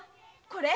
これ。